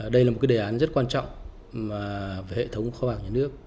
đây là một cái đề án rất quan trọng về hệ thống kho bạc nhà nước